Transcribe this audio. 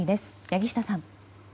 柳下さん。